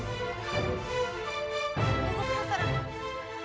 aduh aduh berhenti